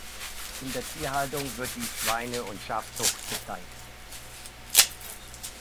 In der Tierhaltung wird die Schweine- und Schafzucht gezeigt.